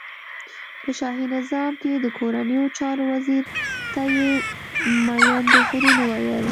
په شاهی نظام کی د کورنیو چارو وزیر ته یی مین د غرونو ویل.